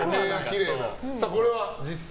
これは実際？